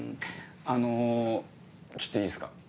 あのちょっといいっすか？